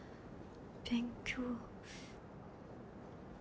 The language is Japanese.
勉強。